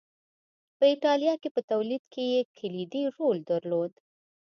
په اېټالیا کې په تولید کې یې کلیدي رول درلود